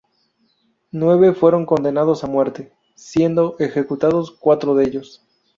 Nueve fueron condenados a muerte, siendo ejecutados cuatro de ellos.